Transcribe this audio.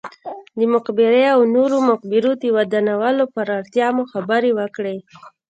د مقبرې او نورو مقبرو د ودانولو پر اړتیا مو خبرې وکړې.